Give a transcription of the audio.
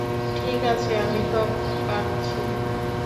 ঠিক আছে, আমি ত্বক কাটছি।